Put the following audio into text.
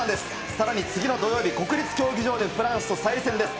さらに次の土曜日、国立競技場でフランスと再戦です。